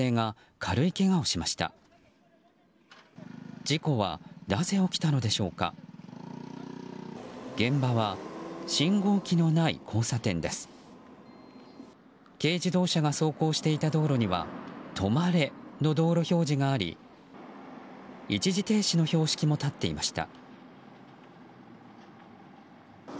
軽自動車が走行していた道路には「止まれ」の道路標示があり一時停止の標識も立っていました。